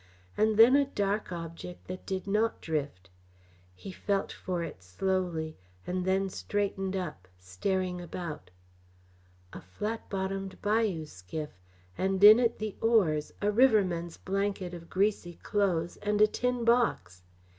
And then a dark object that did not drift. He felt for it slowly, and then straightened up, staring about. A flat bottomed bayou skiff, and in it the oars, a riverman's blanket roll of greasy clothes, and a tin box!